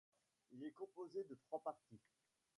Il est composé de trois parties.